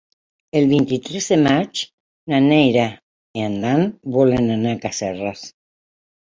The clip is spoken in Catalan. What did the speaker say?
El vint-i-tres de maig na Neida i en Dan volen anar a Casserres.